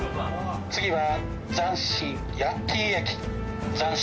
次は。